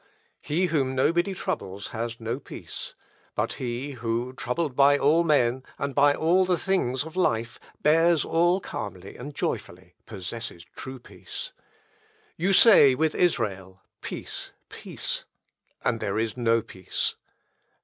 He whom nobody troubles has no peace. But he who, troubled by all men, and by all the things of life, bears all calmly and joyfully, possesses true peace. You say, with Israel, Peace, peace; and there is no peace.